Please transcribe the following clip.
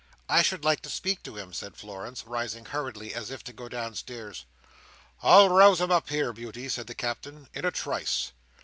"I should like to speak to him," said Florence, rising hurriedly as if to go downstairs. "I'll rouse him up here, Beauty," said the Captain, "in a trice."